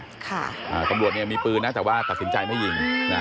ค่ะตำรวจมีปืนนะแต่ว่าตัดสินใจไม่ยิง